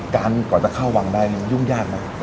การก่อนจะเข้าวังได้ยุ่งยากมาก